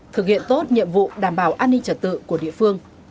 thực hiện tốt nhiệm vụ đảm bảo an ninh trật tự của địa phương